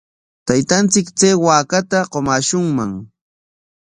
Taytanchik chay waakata qumaashunman.